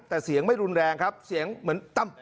แต่เสียงไม่รุนแรงครับเสียงเหมือนตั้ม